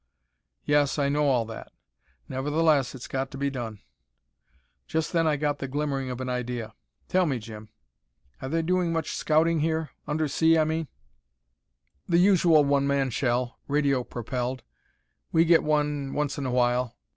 "Yes. I know all that. Nevertheless it's got to be done." Just then I got the glimmering of an idea. "Tell me, Jim, are they doing much scouting here. Undersea, I mean." "The usual one man shell, radio propelled. We get one once in a while.